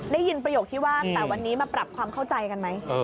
ได้ยินประโยคที่ว่าแต่วันนี้มาปรับความเข้าใจกันไหม